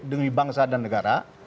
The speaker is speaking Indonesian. demi bangsa dan negara